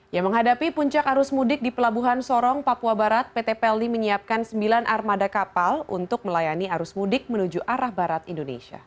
yang menghadapi puncak arus mudik di pelabuhan sorong papua barat pt pelni menyiapkan sembilan armada kapal untuk melayani arus mudik menuju arah barat indonesia